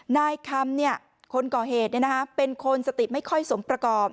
นายคำคนก่อเหตุเป็นคนสติไม่ค่อยสมประกอบ